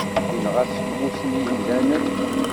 Yenɣa semmus n yemdanen.